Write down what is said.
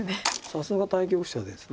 さすが対局者です。